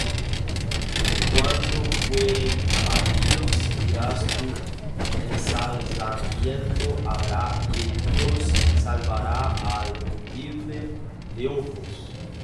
Cuando fueren abatidos, dirás tú: Ensalzamiento habrá: Y Dios salvará al humilde de ojos.